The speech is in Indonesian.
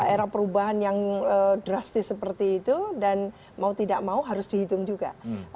era perubahan yang drastis seperti itu dan mau tidak mau harus dihitung juga